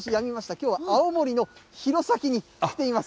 きょうは青森の弘前に来ています。